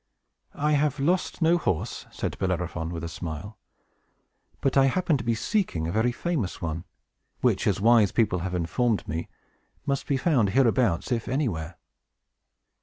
"I have lost no horse," said Bellerophon, with a smile. "But I happen to be seeking a very famous one, which, as wise people have informed me, must be found hereabouts, if anywhere.